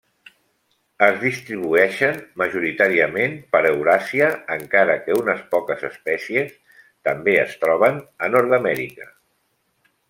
Es distribueixen majoritàriament per Euràsia, encara que unes poques espècies també es troben a Nord-amèrica.